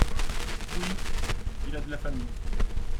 Oui… il a de la famille…